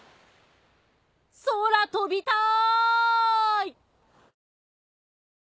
空飛びたい！